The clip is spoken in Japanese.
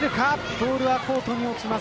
ボールはコートに落ちます。